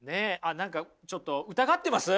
何かちょっと疑ってます？